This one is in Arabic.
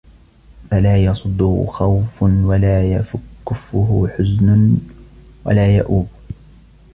فَلَا يَصُدُّهُ خَوْفٌ وَلَا يَكُفُّهُ حُزْنٌ وَلَا يَئُوبُ